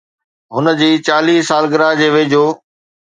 هن جي چاليهه سالگرهه جي ويجهو